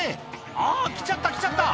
あー！来ちゃった、来ちゃった！